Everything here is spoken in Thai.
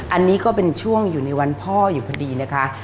อันนี้ก็เป็นช่วงอยู่ในวันพ่ออยู่พอดีนะคะ